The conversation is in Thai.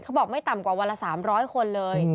บอกไม่ต่ำกว่าวันละ๓๐๐คนเลย